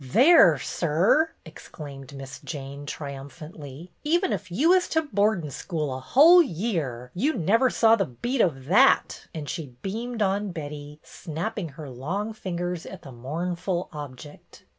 "There, sir!" exclaimed Miss Jane, tri umphantly. " Even if you was to boardin' school a hull year, you never saw the beat of that I " and she beamed on Betty, snap ping her long fingers at the mournful object.